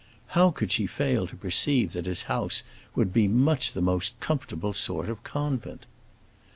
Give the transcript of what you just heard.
How could she fail to perceive that his house would be much the most comfortable sort of convent?